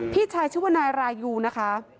พี่ชายชื่อว่านายรายูนะคะ